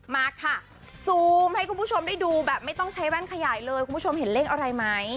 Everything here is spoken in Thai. มาค่ะซูมให้คุณผู้ชมได้ดูแบบไม่ต้องใช้แว่นขยายเลยคุณผู้ชมเห็นเลขอะไรไหม